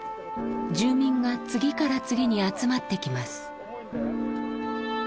住民が次から次に集まってきます。